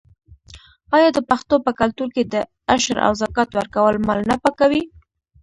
آیا د پښتنو په کلتور کې د عشر او زکات ورکول مال نه پاکوي؟